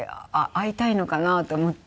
会いたいのかなと思って。